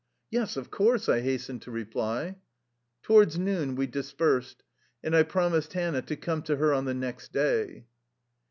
"Yes, of course/' I hastened to reply. Towards noon we dispersed, and I promised Hannah to come to her on the next day.